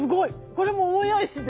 これも大谷石で？